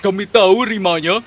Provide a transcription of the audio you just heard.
kami tahu rimanya